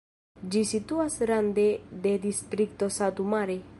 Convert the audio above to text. Ĝi situas rande de distrikto Satu Mare.